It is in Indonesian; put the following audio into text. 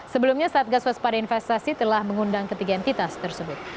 sebelumnya satgas waspada investasi telah mengundang ketiga entitas tersebut